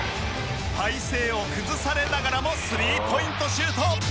体勢を崩されながらもスリーポイントシュート。